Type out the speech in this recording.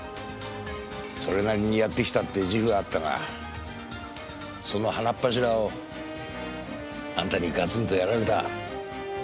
それなりにやってきたって自負はあったがその鼻っ柱をあんたにガツンとやられた。